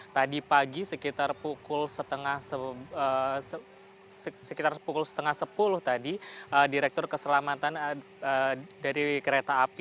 tadi pagi sekitar pukul setengah sepuluh tadi direktur keselamatan kereta api